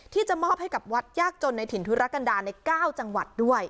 ที่จะมอบให้กับวัดยากจนในถิ่นธุรกันดาใน๙จังหวัดด้วย